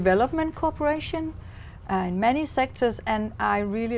và những câu chuyện của ông ấy